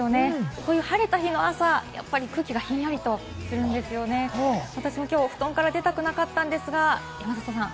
こういう晴れた日の朝は空気はひんやりとするんですよね、私も今日は布団から出たくなかったんですが、山里さん、